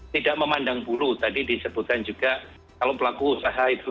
tidak memandang bulu tadi disebutkan juga kalau pelaku usaha itu